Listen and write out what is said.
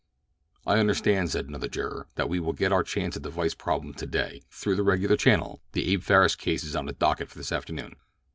"I understand," said another juror, "that we will get our chance at the vice problem today 'through the regular channel'—the Abe Farris case is on the docket for this afternoon."